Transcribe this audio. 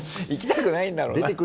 行きたくないんだろうな。